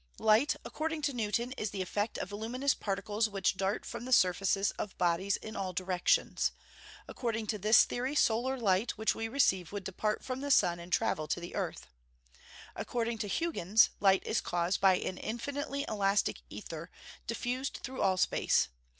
_ Light, according to Newton, is the effect of luminous particles which dart from the surfaces of bodies in all directions. According to this theory, the solar light which we receive would depart from the sun and travel to the earth. According to Huyghens, light is caused by an infinitely elastic ether, diffused through all space.